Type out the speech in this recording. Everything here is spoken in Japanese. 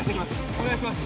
お願いします